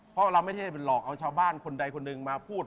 เพราะเราไม่ได้ไปหลอกเอาชาวบ้านคนใดคนหนึ่งมาพูด